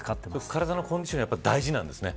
体のコンディションは大事なんですね。